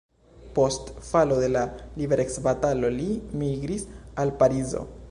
Post falo de la liberecbatalo li migris al Parizo.